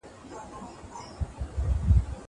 زه بايد لاس پرېولم!!